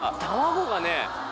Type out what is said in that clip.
卵がね